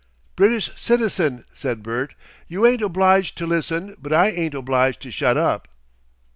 "British citizen," said Bert. "You ain't obliged to listen, but I ain't obliged to shut up."